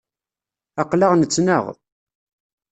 Aql-aɣ nettnaɣ